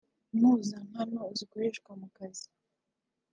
impuzankano zikoreshwa mu kazi